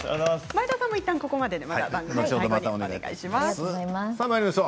前田さんも、いったんここまででまた最後にお願いします。